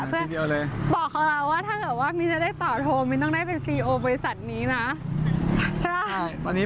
ครบครองของบริษัททางนี้